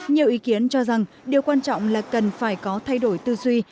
nhiều ý kiến cho rằng điều quan trọng là cần phải có thay đổi tư duy